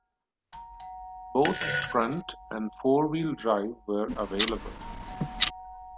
Both front- and four-wheel drive were available.